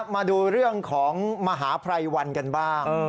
มาดูเรื่องของมหาภัยวันกันบ้าง